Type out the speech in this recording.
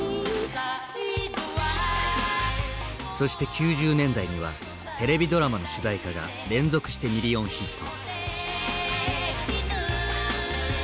そして９０年代にはテレビドラマの主題歌が連続してミリオンヒット。